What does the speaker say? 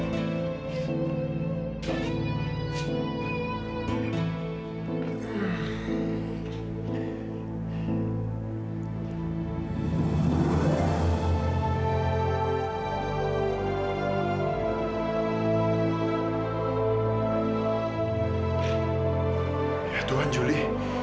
ya tuhan juli